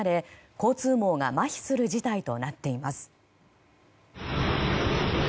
交通網がまひする事態となっています。